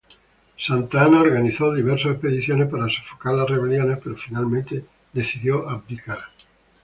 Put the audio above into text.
Santa Anna organizó diversas expediciones para sofocar las rebeliones, pero finalmente decidió abdicar.